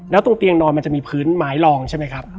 แล้วตรงเตียงนอนมันจะมีพื้นไม้ลองใช่ไหมครับ